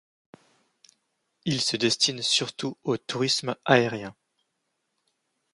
Il se destine surtout au tourisme aérien.